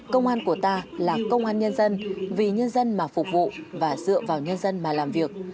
công an của ta là công an nhân dân vì nhân dân mà phục vụ và dựa vào nhân dân mà làm việc